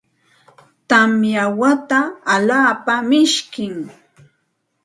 Tamya wayta alaapa mishkim.